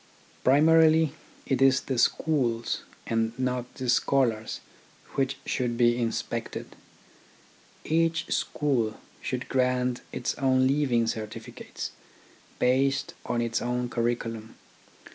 Primarily it is the schools and not the scholars which should be inspected. Each school should grant its own leaving certificates, based on its own curriculum.